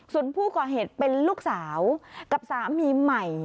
ส่วนผู้ก่อเหตุเป็นลูกสาวกับสามีใหม่